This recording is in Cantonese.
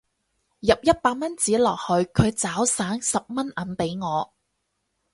入一百蚊紙落去佢找晒十蚊銀俾我